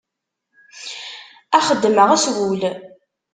A xeddmeɣ s wul.